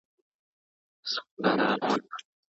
خلک د ځمکې درناوی کوي.